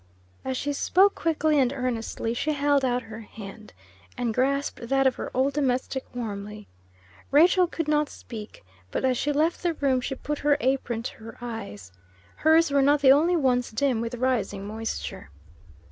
As she spoke quickly and earnestly, she held out her hand, and grasped that of her old domestic warmly. Rachel could not speak, but as she left the room she put her apron to her eyes. Hers were not the only ones dim with rising moisture.